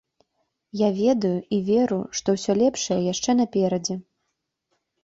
Я ведаю і веру, што ўсё лепшае яшчэ наперадзе.